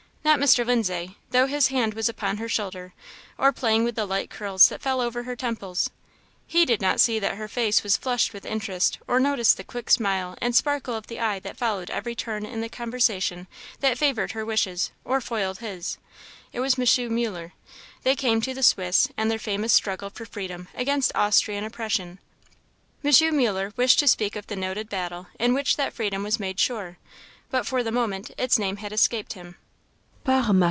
Not Mr. Lindsay, though his hand was upon her shoulder, or playing with the light curls that fell over her temples; he did not see that her face was flushed with interest, or notice the quick smile and sparkle of the eye that followed every turn in the conversation that favoured her wishes, or foiled his; it was M. Muller. They came to the Swiss, and their famous struggle for freedom against Austrian oppression. M. Muller wished to speak of the noted battle in which that freedom was made sure, but for the moment its name had escaped him.